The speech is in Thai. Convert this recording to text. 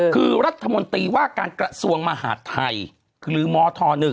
คือรัฐมนตรีว่าการกระทรวงมหาดไทยหรือมธ๑